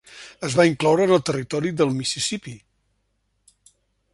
Es va incloure en el Territori del Mississipí.